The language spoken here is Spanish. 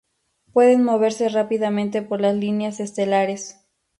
Pueden moverse rápidamente por las líneas estelares.